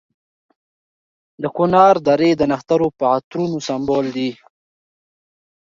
د کنر درې د نښترو په عطرونو سمبال دي.